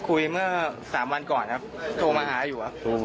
คุยเมื่อ๓วันก่อนครับโทรมาหาอยู่ครับ